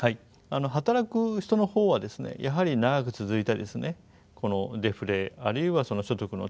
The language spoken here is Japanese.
働く人の方はですねやはり長く続いたこのデフレあるいは所得の低下